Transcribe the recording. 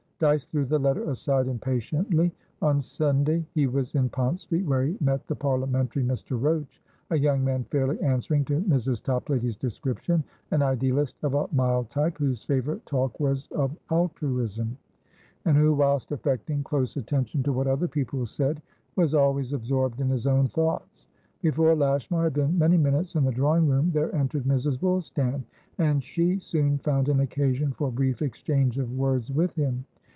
Dyce threw the letter aside impatiently. On Sunday he was in Pont Street, where he met the Parliamentary Mr. Roach, a young man fairly answering to Mrs. Toplady's description; an idealist of a mild type, whose favourite talk was of "altruism," and who, whilst affecting close attention to what other people said, was always absorbed in his own thoughts. Before Lashmar had been many minutes in the drawing room, there entered Mrs. Woolstan, and she soon found an occasion for brief exchange of words with him.